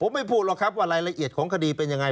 ไม่พูดหรอกครับว่ารายละเอียดของคดีเป็นยังไง